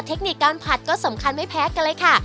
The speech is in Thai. เทคนิคการผัดก็สำคัญไม่แพ้กันเลยค่ะ